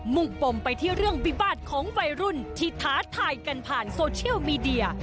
มุ่งปมไปที่เรื่องวิบาตของวัยรุ่นที่ท้าทายกันผ่านโซเชียลมีเดีย